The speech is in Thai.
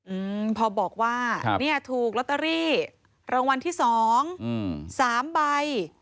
อืมพอบอกว่าเนี้ยถูกลอตเตอรี่รางวัลที่สองอืมสามใบ